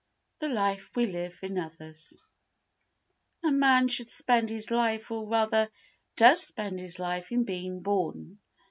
The Life we Live in Others A man should spend his life or, rather, does spend his life in being born.